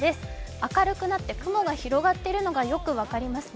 明るくなって、雲が広がっているのがよく分かりますね。